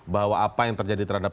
bahwa apa yang terjadi terhadap